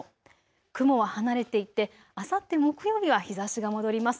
雲は離れていってあさって木曜日は日ざしが戻ります。